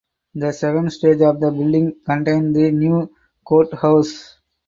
The second stage of the building contained the new courthouse.